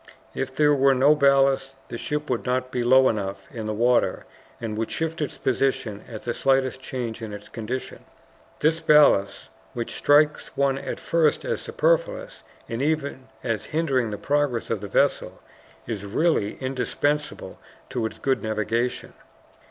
If there were no ballast, the ship would not be low enough in the water, and would shift its position at the slightest change in its conditions. This ballast, which strikes one at first as superfluous and even as hindering the progress of the vessel, is really indispensable to its good navigation.